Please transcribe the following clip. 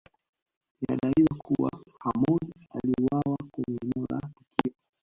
Inadaiwa kuwa Hamoud aliuawa kwenye eneo la tukio